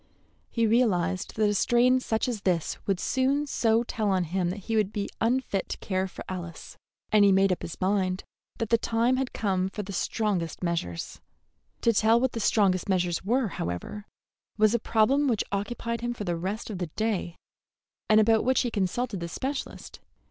He realized that a strain such as this would soon so tell on him that he would be unfit to care for Alice, and he made up his mind that the time had come for the strongest measures. To tell what the strongest measures were, however, was a problem which occupied him for the rest of the day, and about which he consulted the specialist.